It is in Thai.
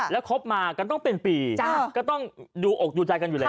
แล้วคบมากันต้องเป็นปีก็ต้องดูอกดูใจกันอยู่แล้ว